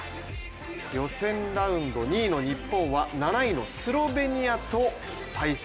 予選ラウンド２位の日本は７位のスロベニアと対戦。